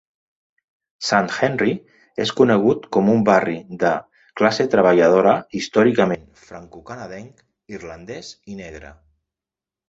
Sant-Henri és conegut com un barri de classe treballadora històricament francocanadenc, irlandès i negre.